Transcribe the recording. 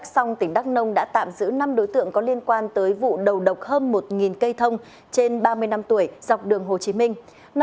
công an huyện đắc song đã tạm giữ năm đối tượng có liên quan tới vụ đầu độc hơn một cây thông trên ba mươi năm tuổi dọc đường hồ chí minh